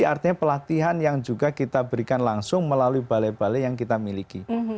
jadi artinya pelatihan yang juga kita berikan langsung melalui balai balai yang kita miliki